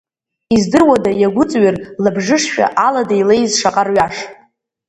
Издыруада, иагәыҵыҩр, лабжышшәа, алада илеиз шаҟа рҩаш?!